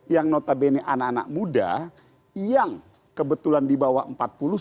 yang notabene anak anak muda yang kebetulan di bawah empat puluh sembilan